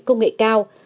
công nghệ cao